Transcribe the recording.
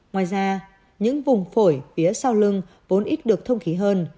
ngoài ra những vùng phổi phía sau lưng vốn ít được thông khí hơn